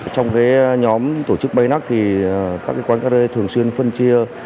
trong nhóm tổ chức bayluck các quán karaoke thường xuyên phân chia